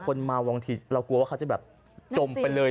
คนเมาบางทีเรากลัวว่าเขาจะแบบจมไปเลย